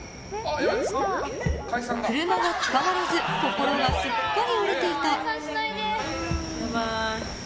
車が捕まらず心がすっかり折れていた。